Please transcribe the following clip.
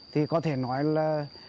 thì có thể nói là